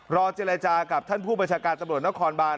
เจรจากับท่านผู้บัญชาการตำรวจนครบาน